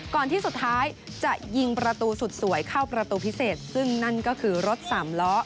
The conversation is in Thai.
ที่สุดท้ายจะยิงประตูสุดสวยเข้าประตูพิเศษซึ่งนั่นก็คือรถสามล้อ